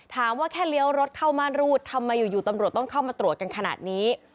แค่เลี้ยวรถเข้าม่านรูดทำไมอยู่ตำรวจต้องเข้ามาตรวจกันขนาดนี้